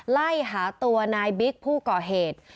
ไล่หาตัวนายบิ๊กผู้ก่อเหตุ